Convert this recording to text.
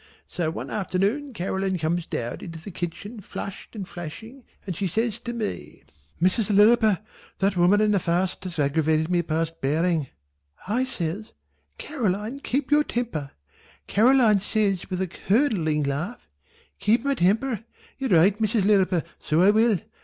So one afternoon Caroline comes down into the kitchen flushed and flashing, and she says to me "Mrs. Lirriper that woman in the first has aggravated me past bearing," I says "Caroline keep your temper," Caroline says with a curdling laugh "Keep my temper? You're right Mrs. Lirriper, so I will.